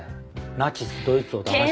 ナチスドイツをだまし。